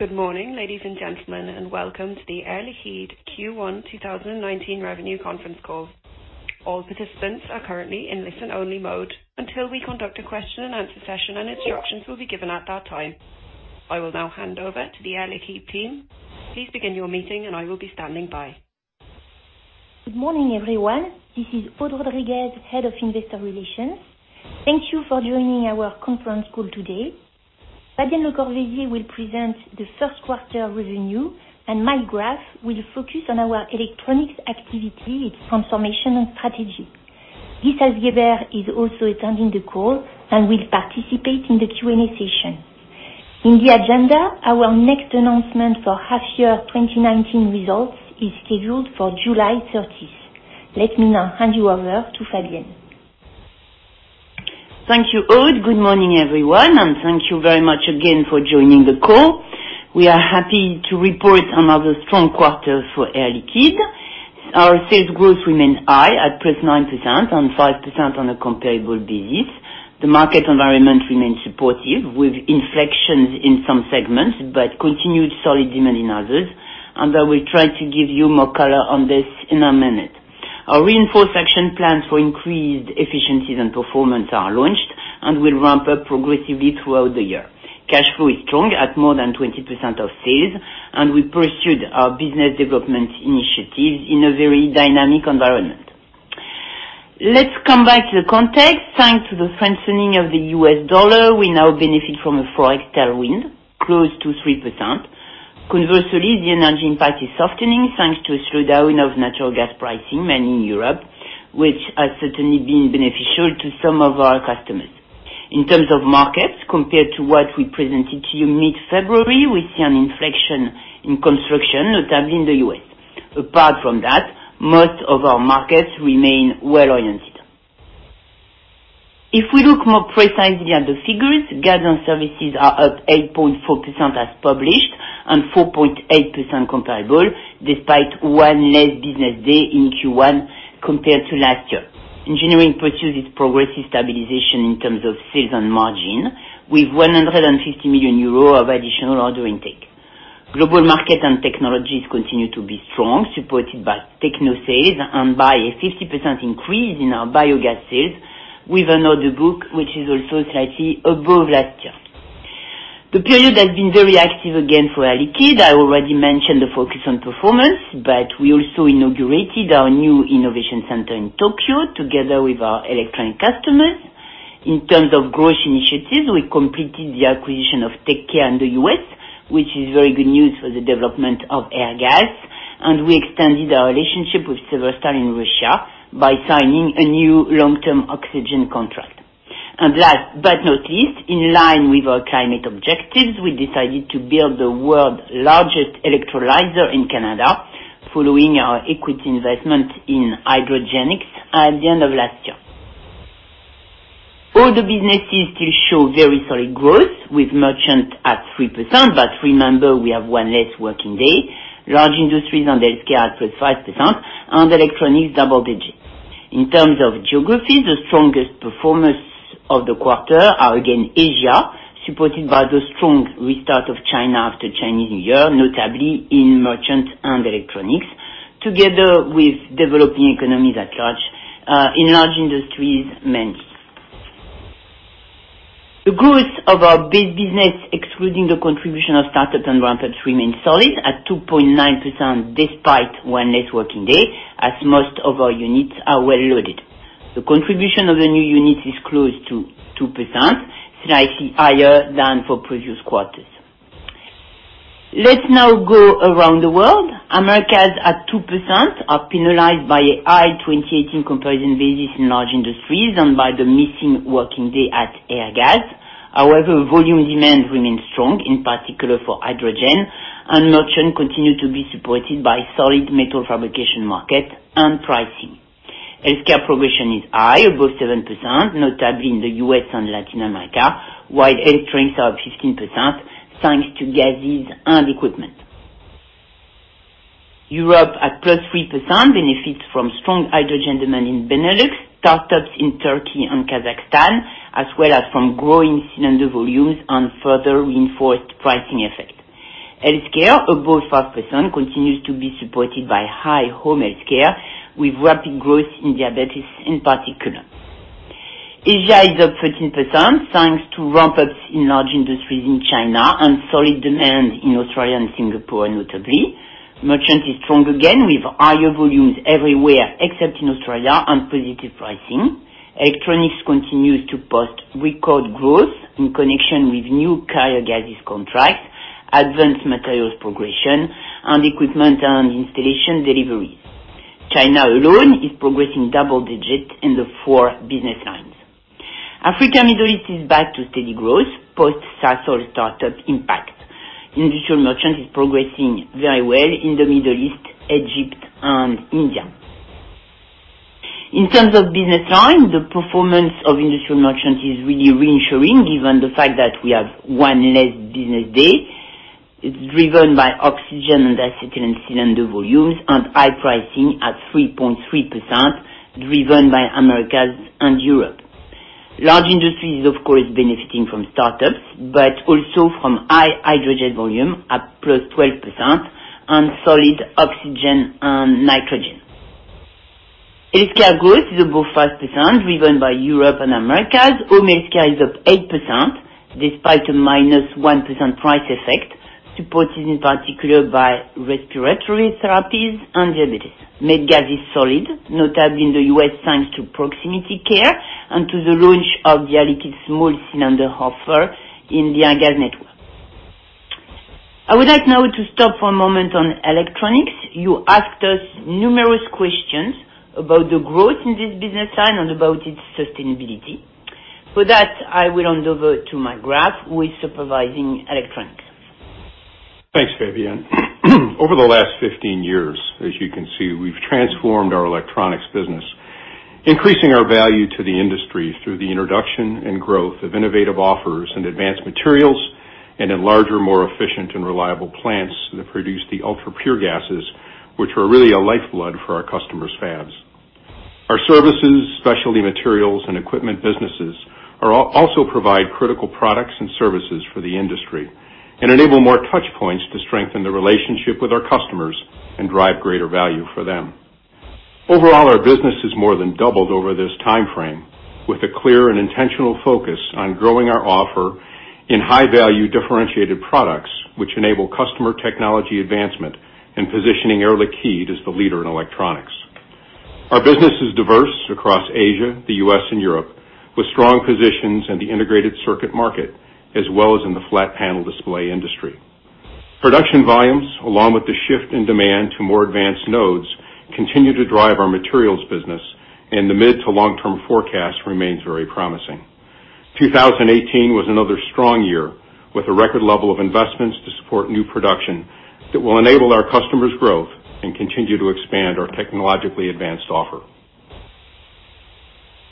Good morning, ladies and gentlemen, and welcome to the Air Liquide Q1 2019 Revenue Conference Call. All participants are currently in listen-only mode until we conduct a question-and-answer session. Instructions will be given at that time. I will now hand over to the Air Liquide team. Please begin your meeting. I will be standing by. Good morning, everyone. This is Aude Rodriguez, Head of Investor Relations. Thank you for joining our conference call today. Fabienne Lecorvaisier will present the first quarter revenue, and Mike Graff will focus on our electronics activity, its transformation, and strategy. Yves Alibert is also attending the call, and will participate in the Q&A session. In the agenda, our next announcement for half year 2019 results is scheduled for July 30th. Let me now hand you over to Fabienne. Thank you, Aude. Good morning, everyone, and thank you very much again for joining the call. We are happy to report another strong quarter for Air Liquide. Our sales growth remained high at +9% and 5% on a comparable basis. The market environment remains supportive, with inflections in some segments. Continued solid demand in others. I will try to give you more color on this in a minute. Our reinforced action plans for increased efficiencies and performance are launched, and will ramp up progressively throughout the year. Cash flow is strong at more than 20% of sales, and we pursued our business development initiatives in a very dynamic environment. Let's come back to the context. Thanks to the strengthening of the U.S. dollar, we now benefit from a ForEx tailwind close to 3%. Conversely, the energy impact is softening, thanks to a slowdown of natural gas pricing, mainly in Europe, which has certainly been beneficial to some of our customers. In terms of markets, compared to what we presented to you mid-February, we see an inflection in construction, notably in the U.S. Apart from that, most of our markets remain well-oriented. If we look more precisely at the figures, gas and services are up 8.4% as published, and 4.8% comparable, despite one less business day in Q1 compared to last year. Engineering pursues its progressive stabilization in terms of sales and margin, with 150 million euros of additional order intake. Global Markets and Technologies continue to be strong, supported by techno sales and by a 50% increase in our biogas sales, with an order book, which is also slightly above last year. The period has been very active again for Air Liquide. I already mentioned the focus on performance, we also inaugurated our new innovation center in Tokyo, together with our electronic customers. In terms of growth initiatives, we completed the acquisition of Tech Air in the U.S., which is very good news for the development of Airgas, we extended our relationship with Severstal in Russia by signing a new long-term oxygen contract. Last, but not least, in line with our climate objectives, we decided to build the world's largest electrolyzer in Canada, following our equity investment in Hydrogenics at the end of last year. Our businesses still show very solid growth, with Merchant at 3%, remember, we have one less working day. Large Industries and Healthcare at +5%, Electronics double digits. In terms of geography, the strongest performers of the quarter are again Asia, supported by the strong restart of China after Chinese New Year, notably in Merchant and Electronics, together with developing economies at large, in Large Industries mainly. The growth of our base business, excluding the contribution of startups and ramp-ups, remains solid at 2.9%, despite one less working day, as most of our units are well loaded. The contribution of the new units is close to 2%, slightly higher than for previous quarters. Let's now go around the world. Americas at 2%, are penalized by a high 2018 comparison basis in Large Industries and by the missing working day at Airgas. However, volume demand remains strong, in particular for hydrogen, Merchant continue to be supported by solid metal fabrication market and pricing. Healthcare progression is high, above 7%, notably in the U.S. and Latin America, while Electronics are up 15%, thanks to gases and equipment. Europe at +3%, benefits from strong hydrogen demand in Benelux, startups in Turkey and Kazakhstan, as well as from growing cylinder volumes and further reinforced pricing effect. Healthcare, above 5%, continues to be supported by high Home Healthcare, with rapid growth in diabetes in particular. Asia is up 13%, thanks to ramp-ups in Large Industries in China and solid demand in Australia and Singapore, notably. Merchant is strong again, with higher volumes everywhere, except in Australia, positive pricing. Electronics continues to post record growth in connection with new carrier gases contracts, advanced materials progression, equipment and installation deliveries. China alone is progressing double digits in the four business lines. Africa and Middle East is back to steady growth, post Sasol startup impact. Industrial Merchants is progressing very well in the Middle East, Egypt, and India. In terms of business line, the performance of Industrial Merchants is really reassuring given the fact that we have one less business day. It is driven by oxygen and acetylene cylinder volumes and high pricing at 3.3%, driven by Americas and Europe. Large Industries is, of course, benefiting from startups, also from high hydrogen volume at +12% on solid oxygen and nitrogen. Healthcare growth is above 5% driven by Europe and Americas. Home Healthcare is up 8% despite a -1% price effect, supported in particular by respiratory therapies and diabetes. MedGas is solid, notably in the U.S., thanks to proximity care and to the launch of the liquid small cylinder offer in the Airgas network. I would like now to stop for a moment on Electronics. You asked us numerous questions about the growth in this business line and about its sustainability. For that, I will hand over to Mike Graff, who is supervising electronics. Thanks, Fabienne. Over the last 15 years, as you can see, we've transformed our electronics business, increasing our value to the industry through the introduction and growth of innovative offers and advanced materials, in larger, more efficient and reliable plants that produce the ultra-pure gases, which are really a lifeblood for our customers' fabs. Our services, specialty materials, and equipment businesses also provide critical products and services for the industry and enable more touch points to strengthen the relationship with our customers and drive greater value for them. Overall, our business has more than doubled over this timeframe, with a clear and intentional focus on growing our offer in high-value, differentiated products, which enable customer technology advancement and positioning Air Liquide as the leader in electronics. Our business is diverse across Asia, the U.S., and Europe, with strong positions in the integrated circuit market as well as in the flat panel display industry. The mid to long-term forecast remains very promising. 2018 was another strong year with a record level of investments to support new production that will enable our customers' growth and continue to expand our technologically advanced offer.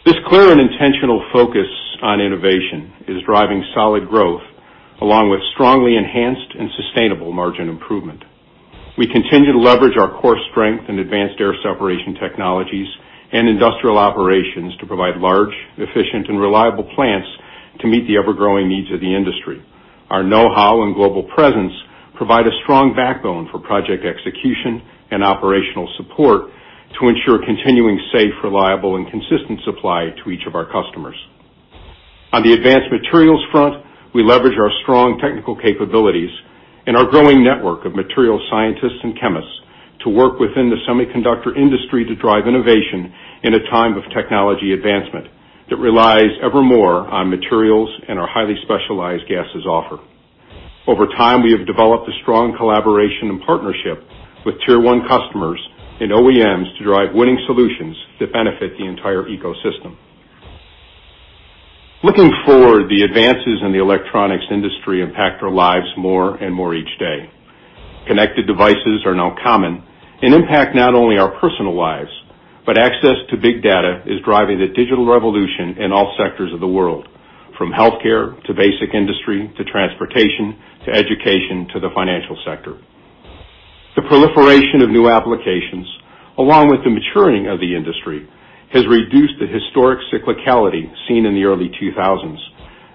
This clear and intentional focus on innovation is driving solid growth along with strongly enhanced and sustainable margin improvement. We continue to leverage our core strength in advanced air separation technologies and industrial operations to provide large, efficient, and reliable plants to meet the ever-growing needs of the industry. Our know-how and global presence provide a strong backbone for project execution and operational support to ensure continuing safe, reliable, and consistent supply to each of our customers. On the advanced materials front, we leverage our strong technical capabilities and our growing network of material scientists and chemists to work within the semiconductor industry to drive innovation in a time of technology advancement that relies ever more on materials and our highly specialized gases offer. Over time, we have developed a strong collaboration and partnership with Tier 1 customers and OEMs to drive winning solutions that benefit the entire ecosystem. Looking forward, the advances in the electronics industry impact our lives more and more each day. Connected devices are now common and impact not only our personal lives, but access to big data is driving the digital revolution in all sectors of the world, from healthcare to basic industry, to transportation, to education, to the financial sector. The proliferation of new applications, along with the maturing of the industry, has reduced the historic cyclicality seen in the early 2000s,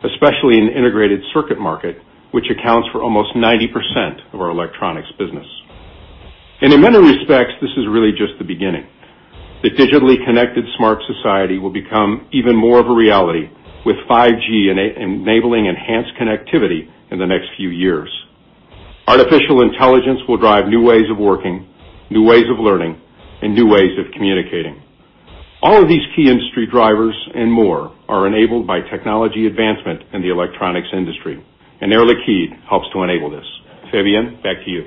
especially in the integrated circuit market, which accounts for almost 90% of our electronics business. In many respects, this is really just the beginning. The digitally connected smart society will become even more of a reality with 5G enabling enhanced connectivity in the next few years. Artificial intelligence will drive new ways of working, new ways of learning, and new ways of communicating. All of these key industry drivers and more are enabled by technology advancement in the electronics industry, Air Liquide helps to enable this. Fabienne, back to you.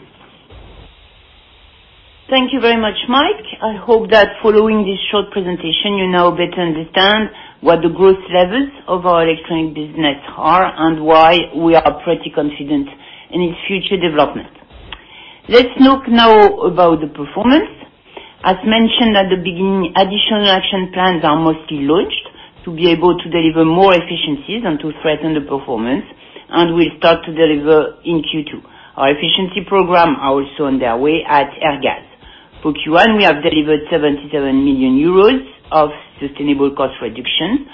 Thank you very much, Mike. I hope that following this short presentation, you now better understand what the growth levels of our electronic business are and why we are pretty confident in its future development. Let's look now about the performance. As mentioned at the beginning, additional action plans are mostly launched to be able to deliver more efficiencies and to strengthen the performance, will start to deliver in Q2. Our efficiency program are also on their way at Airgas. For Q1, we have delivered 77 million euros of sustainable cost reduction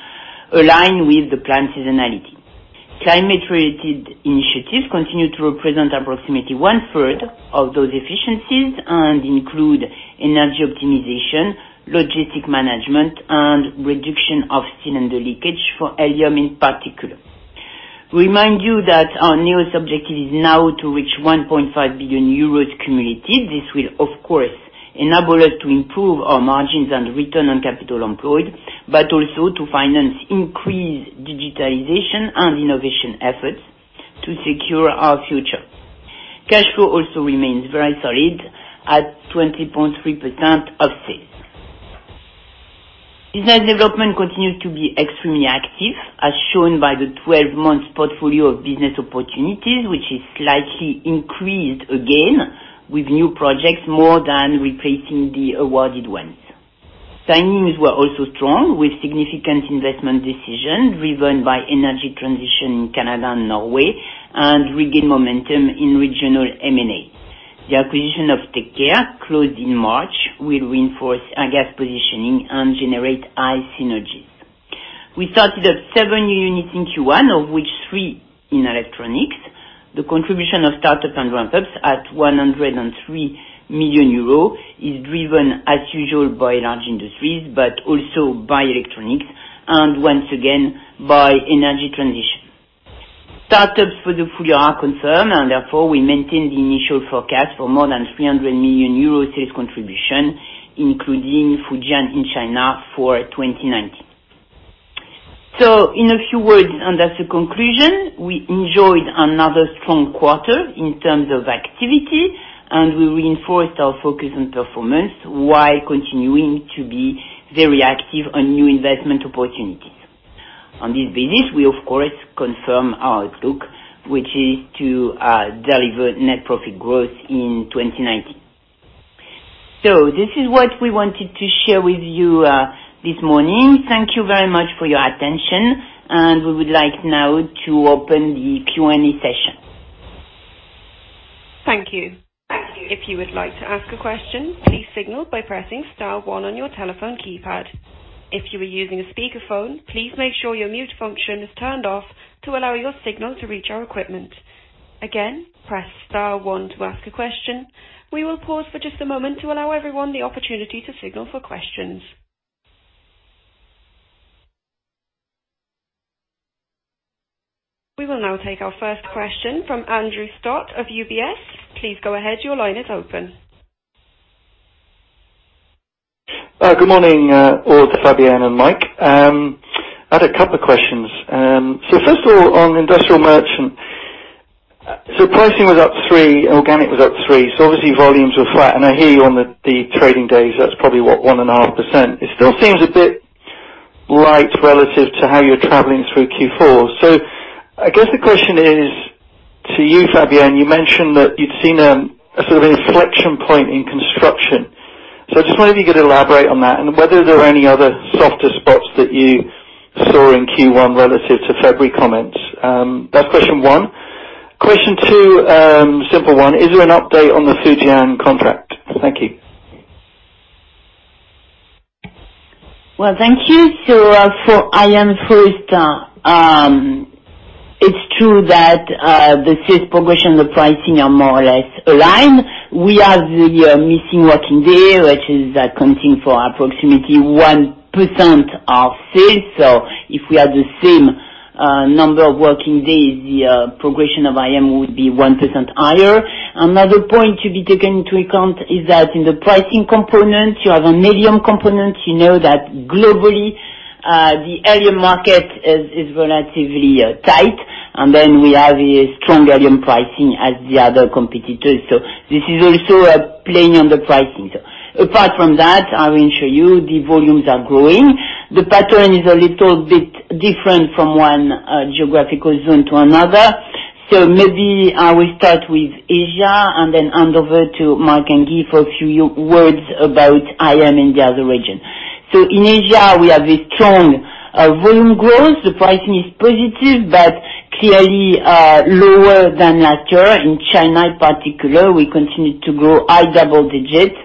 aligned with the planned seasonality. Climate-related initiatives continue to represent approximately one-third of those efficiencies and include energy optimization, logistic management, and reduction of cylinder leakage for helium in particular. Remind you that our newest objective is now to reach 1.5 billion euros cumulative. This will, of course, enable us to improve our margins and return on capital employed, also to finance increased digitalization and innovation efforts to secure our future. Cash flow also remains very solid at 20.3% of sales. Business development continues to be extremely active, as shown by the 12-month portfolio of business opportunities, which has slightly increased again with new projects more than replacing the awarded ones. Signings were also strong with significant investment decisions driven by energy transition in Canada and Norway and regain momentum in regional M&A. The acquisition of Tech Air closed in March will reinforce Airgas positioning and generate high synergies. We started up seven new units in Q1, of which three in electronics. The contribution of startups and ramp-ups at 103 million euros is driven, as usual, by large industries, but also by electronics, and once again, by energy transition. Startups for the full year are confirmed. Therefore, we maintain the initial forecast for more than 300 million euro sales contribution, including Fujian in China, for 2019. In a few words, as a conclusion, we enjoyed another strong quarter in terms of activity. We reinforced our focus on performance while continuing to be very active on new investment opportunities. On this basis, we, of course, confirm our outlook, which is to deliver net profit growth in 2019. This is what we wanted to share with you this morning. Thank you very much for your attention. We would like now to open the Q&A session. Thank you. If you would like to ask a question, please signal by pressing star one on your telephone keypad. If you are using a speakerphone, please make sure your mute function is turned off to allow your signal to reach our equipment. Again, press star one to ask a question. We will pause for just a moment to allow everyone the opportunity to signal for questions. We will now take our first question from Andrew Stott of UBS. Please go ahead. Your line is open. Good morning all, to Fabienne and Mike. I had a couple of questions. First of all, on industrial merchant, pricing was up 3%, organic was up 3%. Obviously, volumes were flat, and I hear you on the trading days, that is probably what, 1.5%. It still seems a bit light relative to how you are traveling through Q4. I guess the question is to you, Fabienne, you mentioned that you had seen a sort of inflection point in construction. I just wonder if you could elaborate on that, and whether there are any other softer spots that you saw in Q1 relative to February comments. That is question 1. Question 2, simple one. Is there an update on the Fujian contract? Thank you. Well, thank you. For IM first, it is true that the sales progression and the pricing are more or less aligned. We have the missing working day, which is accounting for approximately 1% of sales. If we had the same number of working days, the progression of IM would be 1% higher. Another point to be taken into account is that in the pricing component, you have a medium component. You know that, globally, the helium market is relatively tight. We have a strong helium pricing as the other competitors. This is also at play on the pricing. Apart from that, I assure you the volumes are growing. The pattern is a little bit different from one geographical zone to another. Maybe I will start with Asia and then hand over to Mike and give a few words about IM in the other region. In Asia, we have a strong volume growth. The pricing is positive but clearly lower than last year. In China particular, we continued to grow high double digits.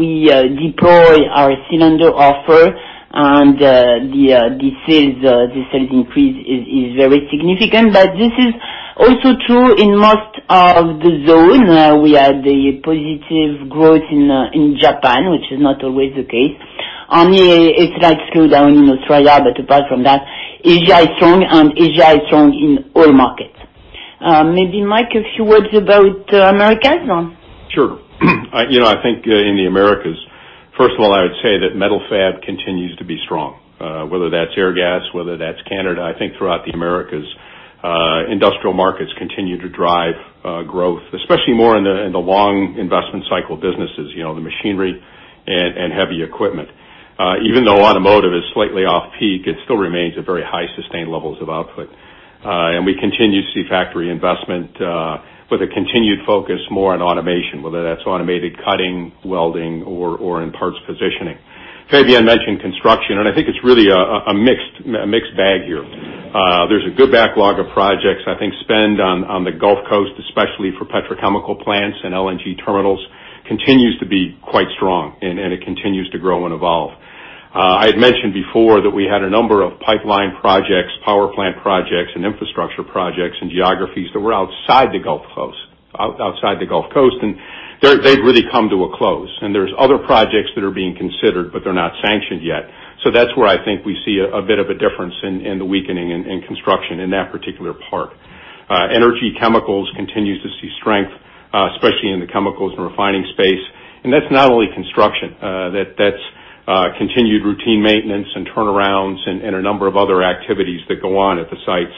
We deploy our cylinder offer and the sales increase is very significant, but this is also true in most of the zone. We had a positive growth in Japan, which is not always the case. Only a slight slowdown in Australia, but apart from that, Asia is strong and Asia is strong in oil markets. Maybe, Mike, a few words about Americas? No. Sure. I think in the Americas, first of all, I would say that metal fab continues to be strong. Whether that's Airgas, whether that's Canada, I think throughout the Americas, industrial markets continue to drive growth, especially more in the long investment cycle businesses, the machinery and heavy equipment. Even though automotive is slightly off peak, it still remains at very high sustained levels of output. We continue to see factory investment with a continued focus more on automation, whether that's automated cutting, welding or in parts positioning. Fabienne mentioned construction, and I think it's really a mixed bag here. There's a good backlog of projects. I think spend on the Gulf Coast, especially for petrochemical plants and LNG terminals, continues to be quite strong and it continues to grow and evolve. I had mentioned before that we had a number of pipeline projects, power plant projects and infrastructure projects and geographies that were outside the Gulf Coast, they've really come to a close. There's other projects that are being considered, but they're not sanctioned yet. That's where I think we see a bit of a difference in the weakening in construction in that particular part. Energy chemicals continues to see strength, especially in the chemicals and refining space. That's not only construction. That's continued routine maintenance and turnarounds and a number of other activities that go on at the sites.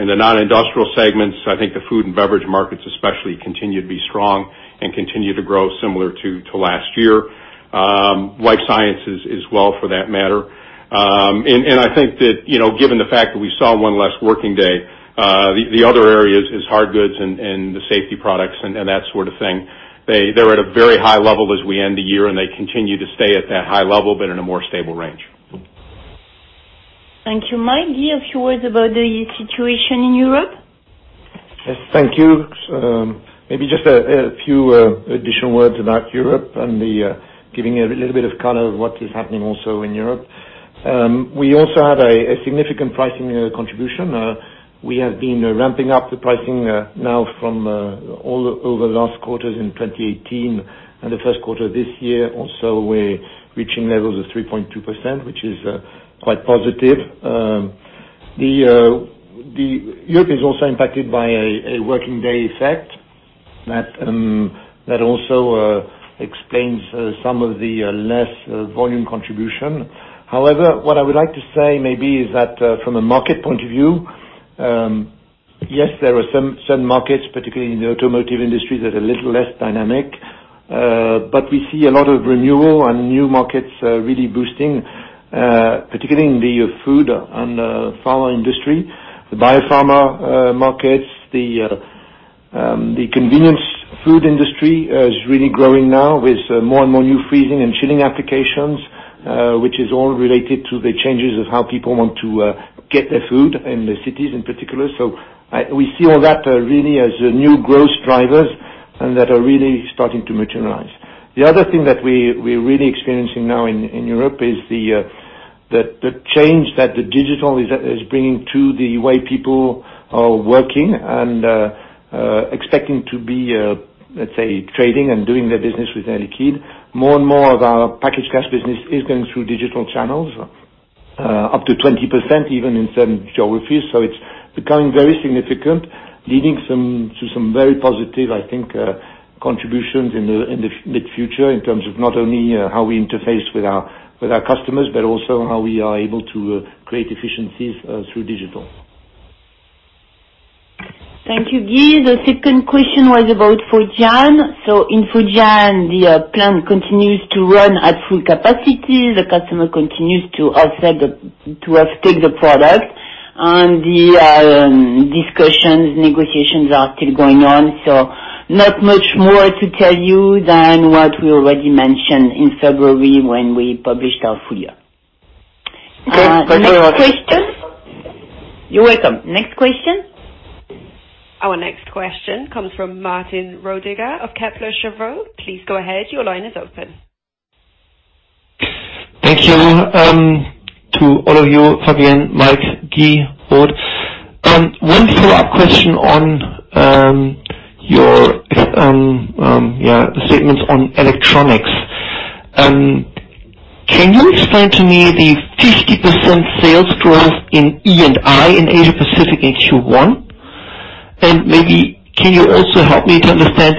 In the non-industrial segments, I think the food and beverage markets especially continue to be strong and continue to grow similar to last year. Life sciences as well for that matter. I think that, given the fact that we saw one less working day, the other areas is hard goods and the safety products and that sort of thing. They're at a very high level as we end the year, and they continue to stay at that high level but in a more stable range. Thank you. Mike, give a few words about the situation in Europe. Yes, thank you. Maybe just a few additional words about Europe and giving a little bit of color of what is happening also in Europe. We also had a significant pricing contribution. We have been ramping up the pricing now from all over the last quarters in 2018 and the first quarter of this year. We're reaching levels of 3.2%, which is quite positive. Europe is also impacted by a working day effect. That also explains some of the less volume contribution. However, what I would like to say maybe is that, from a market point of view, yes, there are some markets, particularly in the automotive industry, that are a little less dynamic. We see a lot of renewal and new markets really boosting, particularly in the food and pharma industry, the biopharma markets. The convenience food industry is really growing now with more and more new freezing and chilling applications, which is all related to the changes of how people want to get their food in the cities in particular. We see all that really as new growth drivers and that are really starting to materialize. The other thing that we're really experiencing now in Europe is the change that the digital is bringing to the way people are working and expecting to be, let's say, trading and doing their business with Air Liquide. More and more of our package gas business is going through digital channels, up to 20%, even in certain geographies. It's becoming very significant, leading to some very positive, I think, contributions in the mid-future in terms of not only how we interface with our customers, but also how we are able to create efficiencies through digital. Thank you, Guy. The second question was about Fujian. In Fujian, the plant continues to run at full capacity. The customer continues to offtake the product, and the discussions, negotiations are still going on, so not much more to tell you than what we already mentioned in February when we published our full year. Okay. Thank you very much. You're welcome. Next question? Our next question comes from Martin Roediger of Kepler Cheuvreux. Please go ahead. Your line is open. Thank you to all of you, Fabienne, Mike, Guy, Aude. One follow-up question on your statements on electronics. Can you explain to me the 50% sales growth in E&I in Asia Pacific in Q1? Maybe can you also help me to understand,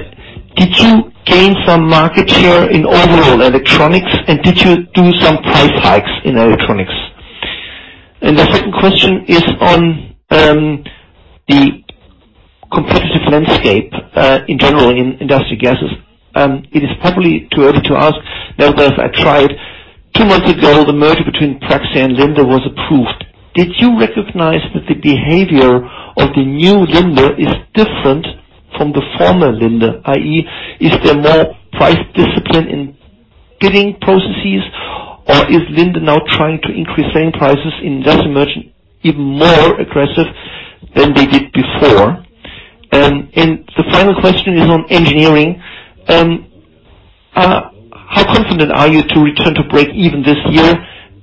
did you gain some market share in overall electronics, and did you do some price hikes in electronics? The second question is on the competitive landscape, in general, in industrial gases. It is probably too early to ask, nevertheless, I tried. Two months ago, the merger between Praxair and Linde was approved. Did you recognize that the behavior of the new Linde is different from the former Linde? i.e., is there more price discipline in bidding processes, or is Linde now trying to increase sale prices in industrial merchant even more aggressive than they did before? The final question is on engineering. How confident are you to return to break even this year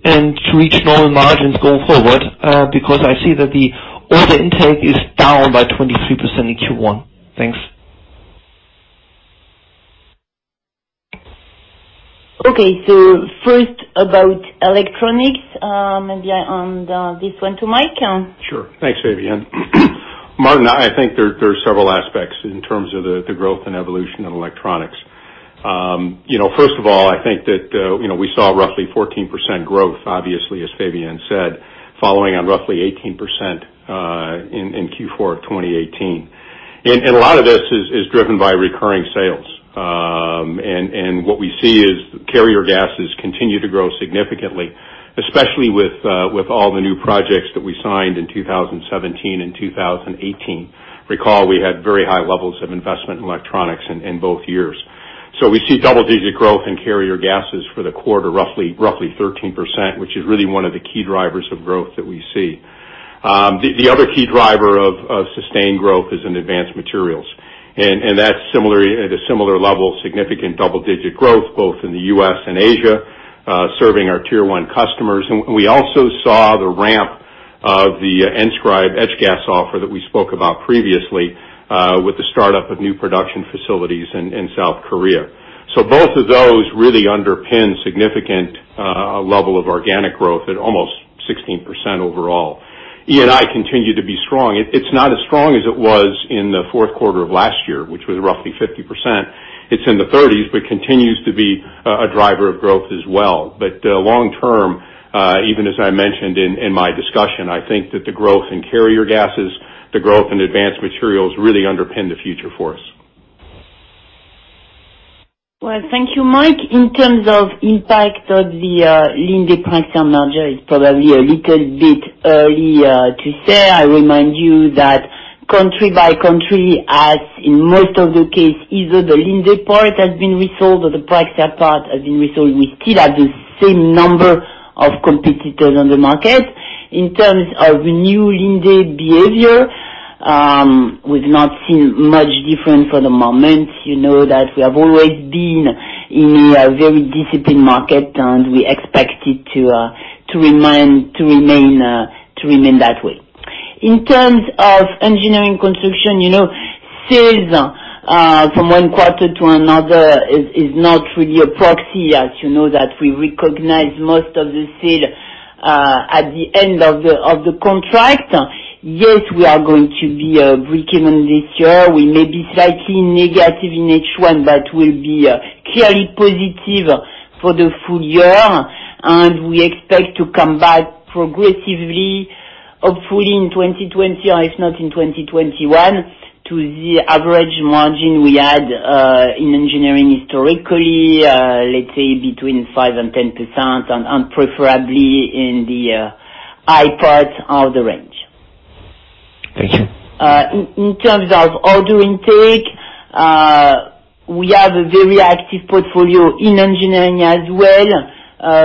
and to reach normal margins going forward? I see that the order intake is down by 23% in Q1. Thanks. First about electronics. Maybe I hand this one to Mike. Sure. Thanks, Fabienne. Martin, I think there are several aspects in terms of the growth and evolution of electronics. First of all, I think that we saw roughly 14% growth, obviously, as Fabienne said, following on roughly 18% in Q4 of 2018. A lot of this is driven by recurring sales. What we see is carrier gases continue to grow significantly, especially with all the new projects that we signed in 2017 and 2018. Recall, we had very high levels of investment in electronics in both years. We see double-digit growth in carrier gases for the quarter, roughly 13%, which is really one of the key drivers of growth that we see. The other key driver of sustained growth is in advanced materials, and that's at a similar level, significant double-digit growth, both in the U.S. and Asia, serving our tier 1 customers. We also saw the ramp of the enScribe etch gas offer that we spoke about previously, with the startup of new production facilities in South Korea. Both of those really underpin significant level of organic growth at almost 16% overall. E&I continued to be strong. It's not as strong as it was in the fourth quarter of last year, which was roughly 50%. It's in the 30s, but continues to be a driver of growth as well. Long term, even as I mentioned in my discussion, I think that the growth in carrier gases, the growth in advanced materials really underpin the future for us. Well, thank you, Mike. In terms of impact of the Linde-Praxair merger, it's probably a little bit early to say. I remind you that country by country as in most of the case, either the Linde part has been resold or the Praxair part has been resold. We still have the same number of competitors on the market. In terms of new Linde behavior, we've not seen much difference for the moment. You know that we have always been in a very disciplined market. We expect it to remain that way. In terms of engineering construction, sales from one quarter to another is not really a proxy as you know that we recognize most of the sale at the end of the contract. Yes, we are going to be breakeven this year. We may be slightly negative in H1. We'll be clearly positive for the full year. We expect to come back progressively, hopefully in 2020 or if not, in 2021, to the average margin we had in engineering historically, let's say between 5% and 10% and preferably in the high part of the range. Thank you. In terms of order intake, we have a very active portfolio in engineering as well.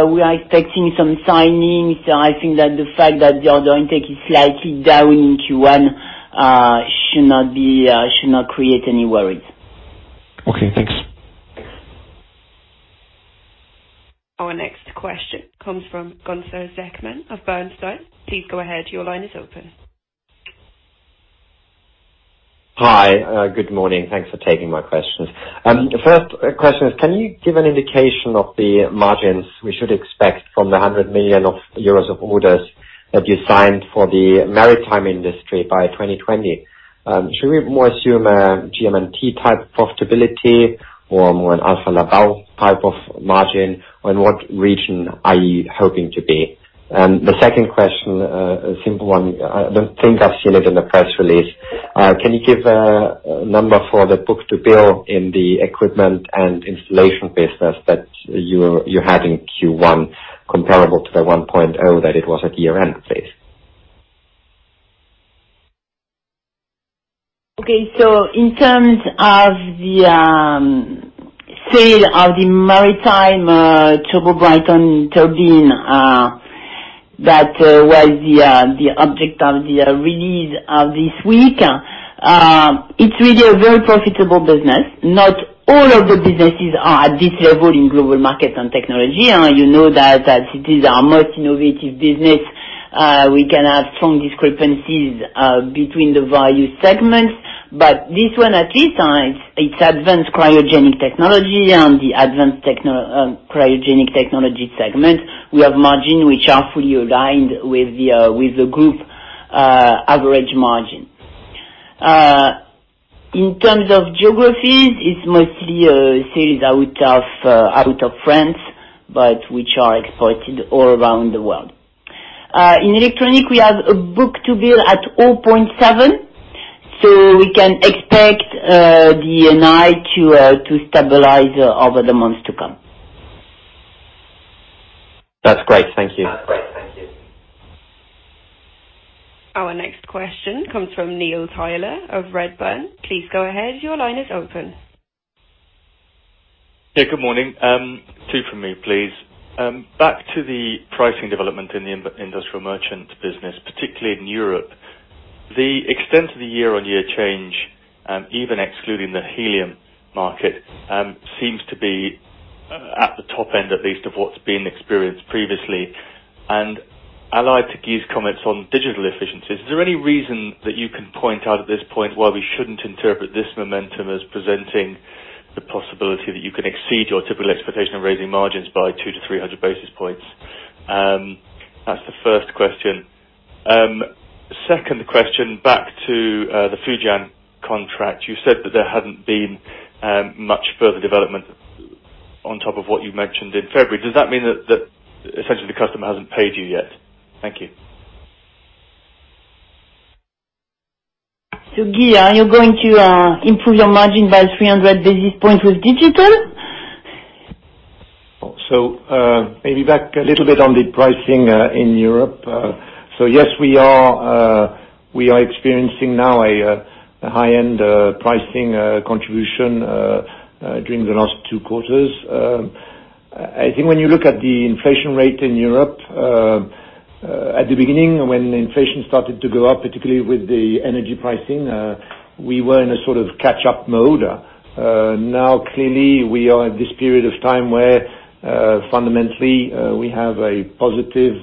We are expecting some signings. I think that the fact that the order intake is slightly down in Q1 should not create any worries. Okay, thanks. Our next question comes from Gunther Zechmann of Bernstein. Please go ahead. Your line is open. Hi. Good morning. Thanks for taking my questions. The first question is, can you give an indication of the margins we should expect from the 100 million euros of orders that you signed for the maritime industry by 2020? Should we more assume a GM&T type profitability or more an Alfa Laval type of margin? On what region are you hoping to be? The second question, a simple one. I don't think I've seen it in the press release. Can you give a number for the book to bill in the equipment and installation business that you had in Q1 comparable to the 1.0 that it was at year-end please? Okay. In terms of the sale of the maritime Turbo-Brayton turbine that was the object of the release of this week, it's really a very profitable business. Not all of the businesses are at this level in Global Markets and Technologies. You know that as it is our most innovative business, we can have strong discrepancies between the value segments. But this one at this time, it's advanced cryogenic technology and the advanced cryogenic technology segment. We have margins which are fully aligned with the group average margin. In terms of geographies, it's mostly a series out of France, but which are exported all around the world. In E&I, we have a book to bill at 0.7, so we can expect the E&I to stabilize over the months to come. That's great. Thank you. Our next question comes from Neil Tyler of Redburn. Please go ahead. Your line is open. Good morning. Two from me, please. Back to the pricing development in the industrial merchant business, particularly in Europe. The extent of the year-on-year change, even excluding the helium market, seems to be at the top end, at least of what's been experienced previously. Allied to Guy's comments on digital efficiencies, is there any reason that you can point out at this point why we shouldn't interpret this momentum as presenting the possibility that you can exceed your typical expectation of raising margins by 200 to 300 basis points? That's the first question. Second question, back to the Fujian contract. You said that there hadn't been much further development on top of what you mentioned in February. Does that mean that essentially the customer hasn't paid you yet? Thank you. Guy, are you going to improve your margin by 300 basis points with digital? Maybe back a little bit on the pricing in Europe. Yes, we are experiencing now a high-end pricing contribution, during the last two quarters. I think when you look at the inflation rate in Europe, at the beginning when inflation started to go up, particularly with the energy pricing, we were in a sort of catch-up mode. Clearly we are at this period of time where fundamentally we have a positive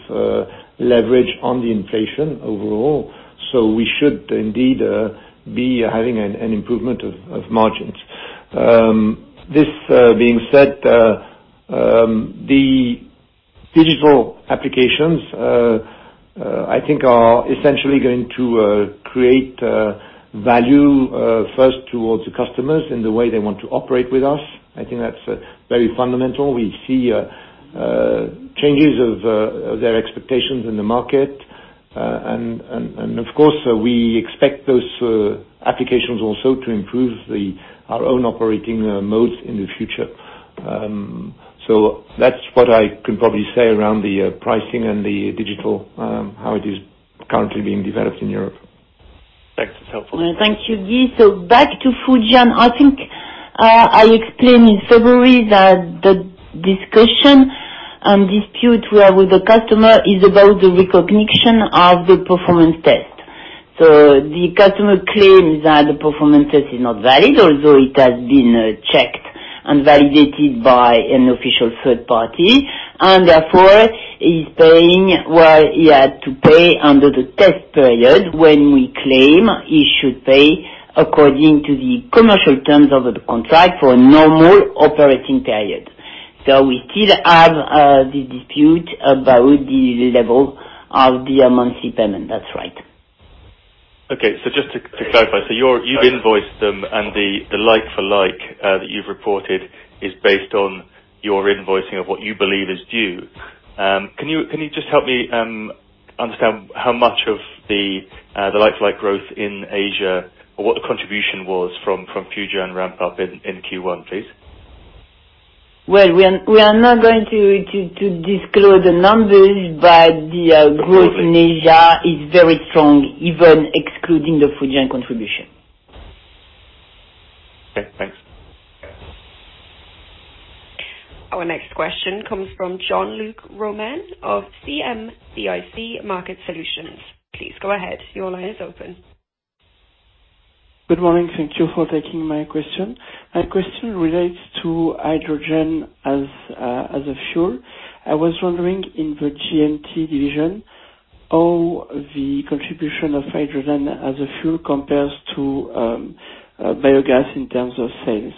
leverage on the inflation overall. We should indeed be having an improvement of margins. This being said, the digital applications I think are essentially going to create value first towards the customers in the way they want to operate with us. I think that's very fundamental. We see changes of their expectations in the market. Of course, we expect those applications also to improve our own operating modes in the future. That's what I can probably say around the pricing and the digital, how it is currently being developed in Europe. Thanks. That's helpful. Thank you, Guy. Back to Fujian, I think, I explained in February that the discussion and dispute we have with the customer is about the recognition of the performance test. The customer claims that the performance test is not valid, although it has been checked and validated by an official third party, and therefore is paying what he had to pay under the test period, when we claim he should pay according to the commercial terms of the contract for a normal operating period. We still have this dispute about the level of the monthly payment. That's right. Just to clarify. You've invoiced them and the like for like that you've reported is based on your invoicing of what you believe is due. Can you just help me understand how much of the like-for-like growth in Asia, or what the contribution was from Fujian ramp up in Q1, please? Well, we are not going to disclose the numbers. Totally The growth in Asia is very strong, even excluding the Fujian contribution. Okay, thanks. Our next question comes from Jean-Luc Romain of CIC Market Solutions. Please go ahead. Your line is open. Good morning. Thank you for taking my question. My question relates to hydrogen as a fuel. I was wondering in the G&T division how the contribution of hydrogen as a fuel compares to biogas in terms of sales.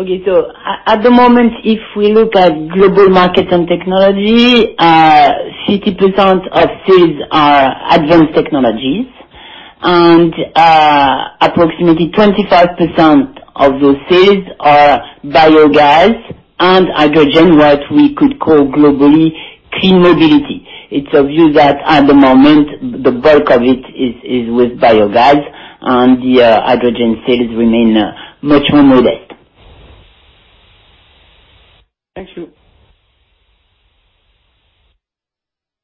At the moment, if we look at global market and technology, 60% of sales are advanced technologies and approximately 25% of those sales are biogas and hydrogen, what we could call globally clean mobility. It's obvious that at the moment, the bulk of it is with biogas and the hydrogen sales remain much more modest. Thank you.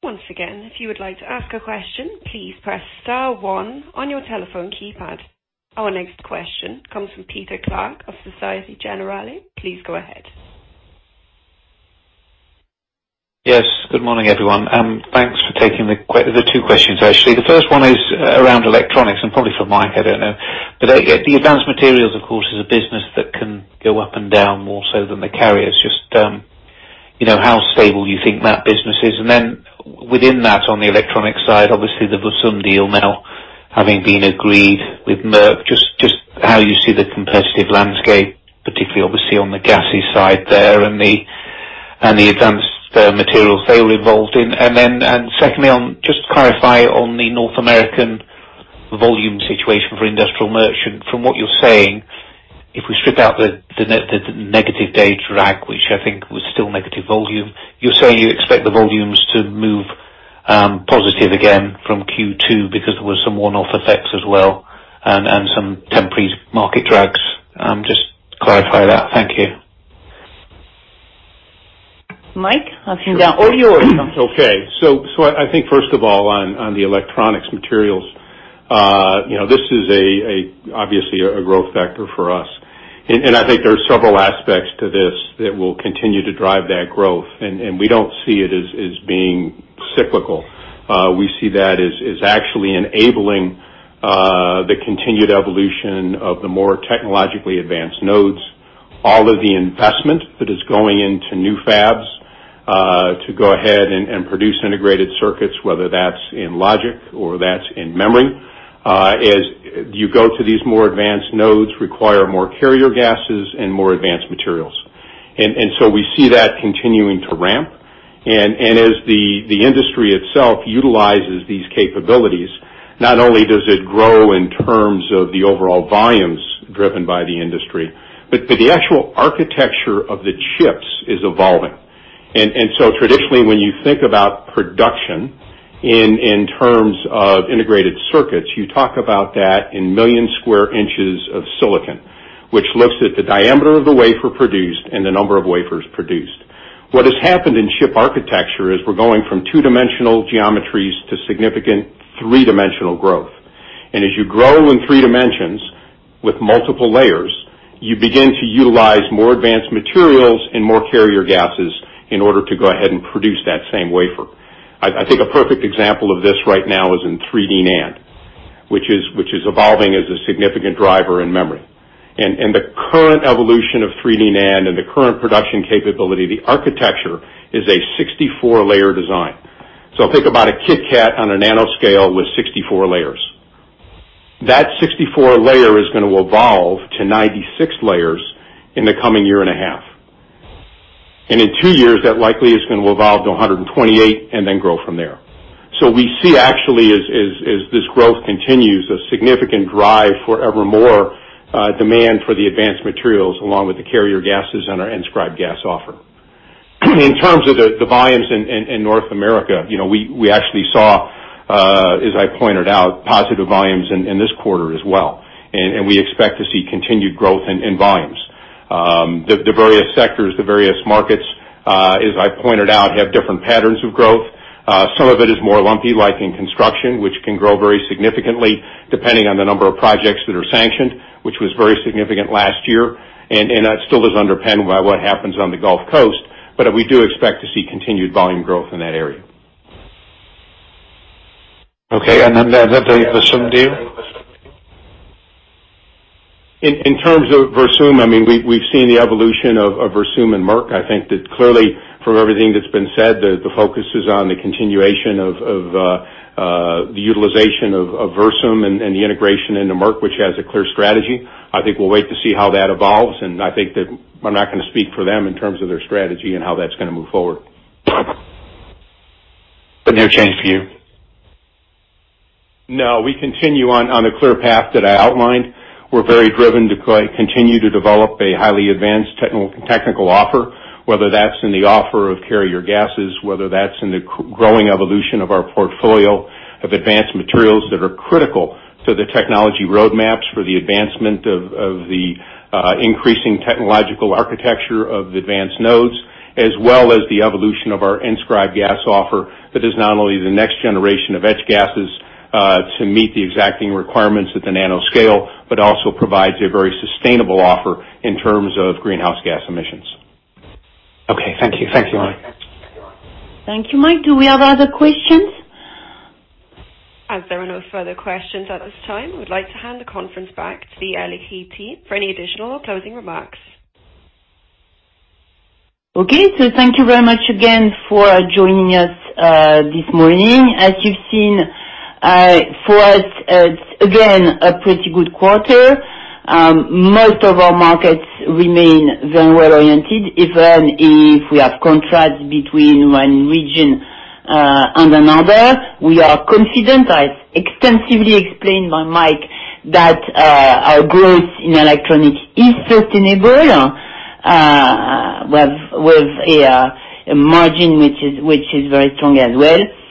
Once again, if you would like to ask a question, please press star one on your telephone keypad. Our next question comes from Peter Clark of Societe Generale. Please go ahead. Yes, good morning, everyone. There are two questions, actually. The first one is around electronics and probably for Mike, I don't know. The advanced materials, of course, is a business that can go up and down more so than the carriers. Just how stable you think that business is, and then within that, on the electronic side, obviously the Versum deal now having been agreed with Merck, just how you see the competitive landscape, particularly obviously on the gassy side there and the advanced materials they were involved in. Secondly, just to clarify on the North American volume situation for industrial merchant. From what you're saying, if we strip out the negative day drag, which I think was still negative volume, you're saying you expect the volumes to move positive again from Q2 because there was some one-off effects as well and some temporary market drags. Just clarify that. Thank you. Mike, I think that. Okay. I think first of all on the electronics materials, this is obviously a growth factor for us. I think there are several aspects to this that will continue to drive that growth. We don't see it as being cyclical. We see that as actually enabling the continued evolution of the more technologically advanced nodes. All of the investment that is going into new fabs, to go ahead and produce integrated circuits, whether that's in logic or that's in memory. As you go to these more advanced nodes require more carrier gases and more advanced materials. We see that continuing to ramp. As the industry itself utilizes these capabilities, not only does it grow in terms of the overall volumes driven by the industry, but the actual architecture of the chips is evolving. Traditionally, when you think about production in terms of integrated circuits, you talk about that in million square inches of silicon, which looks at the diameter of the wafer produced and the number of wafers produced. What has happened in chip architecture is we're going from two-dimensional geometries to significant three-dimensional growth. As you grow in three dimensions with multiple layers, you begin to utilize more advanced materials and more carrier gases in order to go ahead and produce that same wafer. I think a perfect example of this right now is in 3D NAND. Which is evolving as a significant driver in memory. The current evolution of 3D NAND and the current production capability, the architecture is a 64-layer design. Think about a KitKat on a nanoscale with 64 layers. That 64-layer is going to evolve to 96 layers in the coming year and a half. In two years, that likely is going to evolve to 128 and then grow from there. We see actually as this growth continues, a significant drive for ever more demand for the advanced materials along with the carrier gases and our enScribe gas offer. In terms of the volumes in North America, we actually saw, as I pointed out, positive volumes in this quarter as well, and we expect to see continued growth in volumes. The various sectors, the various markets, as I pointed out, have different patterns of growth. Some of it is more lumpy, like in construction, which can grow very significantly depending on the number of projects that are sanctioned, which was very significant last year, and that still is underpinned by what happens on the Gulf Coast. We do expect to see continued volume growth in that area. Okay. Then the Versum deal? In terms of Versum, we've seen the evolution of Versum and Merck. I think that clearly, from everything that's been said, the focus is on the continuation of the utilization of Versum and the integration into Merck, which has a clear strategy. I think we'll wait to see how that evolves. I think that I'm not going to speak for them in terms of their strategy and how that's going to move forward. No change for you? No. We continue on the clear path that I outlined. We're very driven to continue to develop a highly advanced technical offer, whether that's in the offer of carrier gases, whether that's in the growing evolution of our portfolio of advanced materials that are critical to the technology roadmaps for the advancement of the increasing technological architecture of the advanced nodes. As well as the evolution of our enScribe gas offer that is not only the next generation of etch gases to meet the exacting requirements at the nanoscale, but also provides a very sustainable offer in terms of greenhouse gas emissions. Okay. Thank you, Mike. Thank you, Mike. Do we have other questions? As there are no further questions at this time, we'd like to hand the conference back to the Air Liquide team for any additional closing remarks. Okay. Thank you very much again for joining us this morning. As you've seen, for us, again, a pretty good quarter. Most of our markets remain very well-oriented, even if we have contrasts between one region and another. We are confident, as extensively explained by Mike, that our growth in electronics is sustainable, with a margin which is very strong as well.